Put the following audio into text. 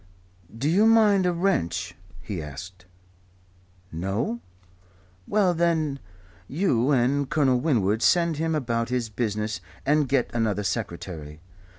"Do you mind a wrench?" he asked. "No? Well, then you and Colonel Winwood send him about his business and get another secretary.